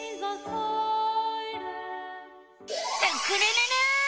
スクるるる！